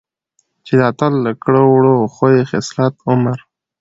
چې د اتل له کړه وړه ،خوي خصلت، عمر،